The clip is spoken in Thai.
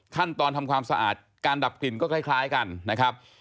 ขั้นตอนทำความสะอาดการดับกลิ่นก็คล้ายกันนะครับ